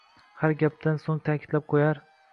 Har gapdan soʻng taʼkidlab qoʻyar: